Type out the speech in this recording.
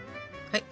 はい。